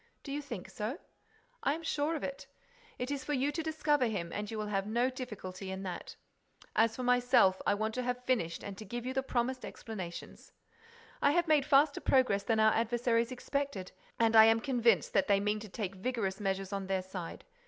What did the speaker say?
"Do you think so?" "I am sure of it. It is for you to discover him and you will have no difficulty in that. As for myself, I want to have finished and to give you the promised explanations. I have made faster progress than our adversaries expected and I am convinced that they mean to take vigorous measures on their side.